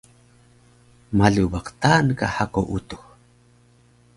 malu ba qtaan ka hako utux